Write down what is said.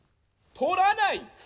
とらない！